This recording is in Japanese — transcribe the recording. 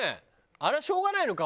あれはしょうがないのか？